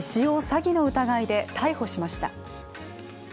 詐欺の疑いで逮捕しました。